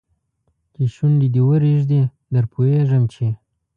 چې شونډي دې ورېږدي در پوهېږم چې